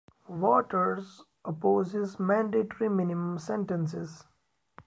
Waters opposes mandatory minimum sentences.